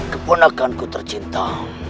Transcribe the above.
keponakan ku tercinta